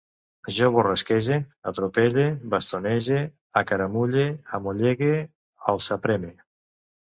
Jo borrasquege, atropelle, bastonege, acaramulle, amollegue, alçapreme